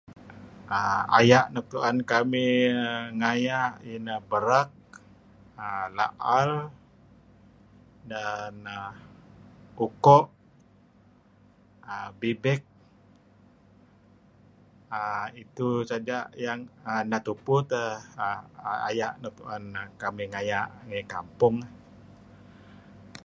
Aya' nuk tu'en kamih ngaya' iyeh ineh berek, la'el, uko', bibek {er] itu saja yang neh tupu teh aya' nuk tu'en kamih ngaya' ngi kampung.